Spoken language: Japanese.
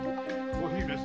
お姫様